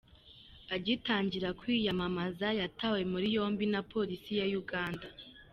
Agitangira kwiyamamaza yatawe muri yombi na Polisi ya Uganda.